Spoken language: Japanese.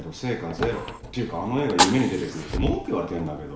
ゼロっていうかあの絵が夢に出て来るって文句言われてんだけど。